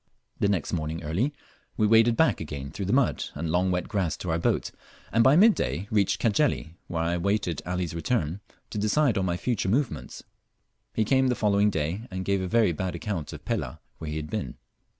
The next morning early we waded back again through the mud and long wet grass to our boat, and by mid day reached Cajeli, where I waited Ali's return to decide on my future movements. He came the following day, and gave a very bad account of Pelah, where he had been.